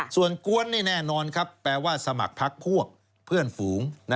ส่วนกวนนี่แน่นอนครับแปลว่าสมัครพักพวกเพื่อนฝูง